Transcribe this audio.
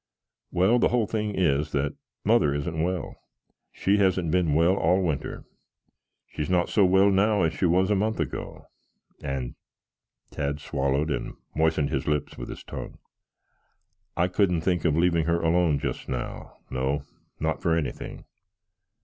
"Well, the whole thing is that Mother isn't well. She hasn't been well all winter. She is not so well now as she was a month ago, and " Tad swallowed and moistened his lips with his tongue. "I couldn't think of leaving her alone, just now; no, not for anything."